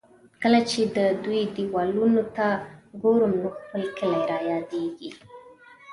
کله چې د دې دېوالونو ته ګورم، نو خپل کلی را یادېږي.